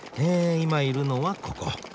今いるのはここ。